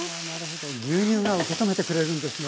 牛乳が受け止めてくれるんですね。